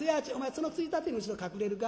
そのついたての後ろ隠れるか？